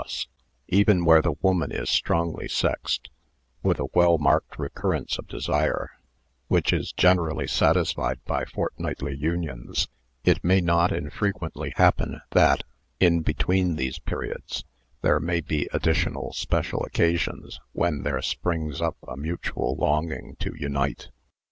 Mutual Adjustment 45 Even where the woman is strongly sexed, with a well marked recurrence of desire, which is generally satisfied by fortnightly unions, it may not infrequently happen that, in between these periods, there may be additional special occasions when there springs up a mutual longing to unite.